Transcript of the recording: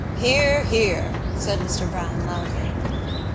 "Hear, hear!" said Mr Browne loudly.